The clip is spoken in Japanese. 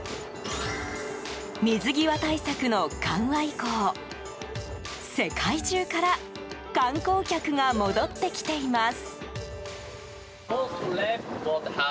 水際対策の緩和以降世界中から観光客が戻ってきています。